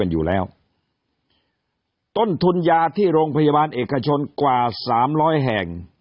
อยู่แล้วต้นทุนยาที่โรงพยาบาลเอกชนกว่าสามร้อยแห่ง